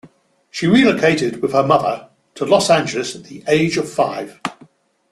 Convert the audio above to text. She relocated with her mother to Los Angeles at the age of five.